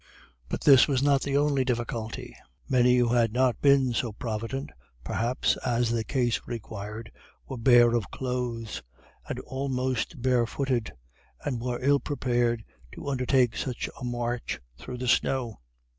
But this was not the only difficulty. Many who had not been so provident, perhaps, as the case required, were bare of clothes, and almost barefooted, and were ill prepared to undertake such a march through the snow.